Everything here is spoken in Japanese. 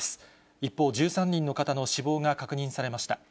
一方、１３人の方の死亡が確認されました。